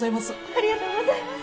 ありがとうございます！